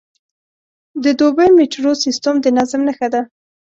د دوبی میټرو سیستم د نظم نښه ده.